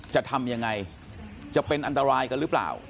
จะทำยังไงจะเป็นอันตรายกันหรือเปล่า